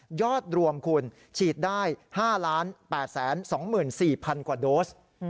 ยอดรวมคุณฉีดได้๕๘๒๔๐๐๐กว่าโดส